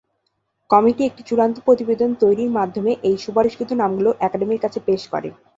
Committee একটি চূড়ান্ত প্রতিবেদন তৈরির মাধ্যমে এই সুপারিশকৃত নামগুলো একাডেমির কাছে পেশ করে।